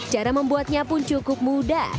cara membuatnya pun cukup mudah